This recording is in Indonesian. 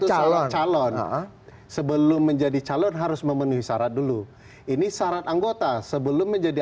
calon calon sebelum menjadi calon harus memenuhi syarat dulu ini syarat anggota sebelum menjadi